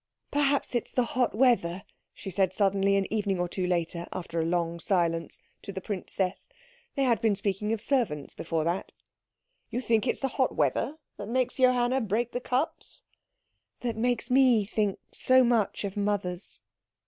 "Perhaps it is the hot weather," she said suddenly, an evening or two later, after a long silence, to the princess. They had been speaking of servants before that. "You think it is the hot weather that makes Johanna break the cups?" "That makes me think so much of mothers."